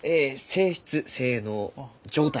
「性質性能状態」。